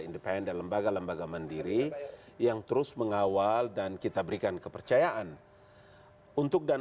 independen dan lembaga lembaga mandiri yang terus mengawal dan kita berikan kepercayaan untuk dan